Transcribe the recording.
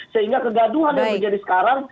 sehingga kegaduhan yang terjadi sekarang